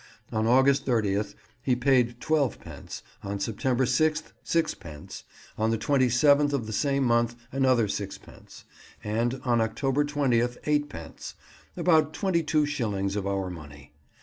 On August 30th he paid twelve pence; on September 6th, sixpence; on the 27th of the same month another sixpence; and on October 20th eightpence; about twenty two shillings of our money.